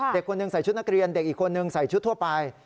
เด็กคนหนึ่งใส่ชุดนักเรียนเด็กอีกคนนึงใส่ชุดทั่วไป